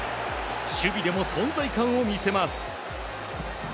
守備でも存在感を見せます。